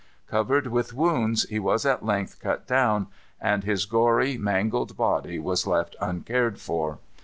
Covered with wounds, he was at length cut down, and his gory, mangled body was left uncared for.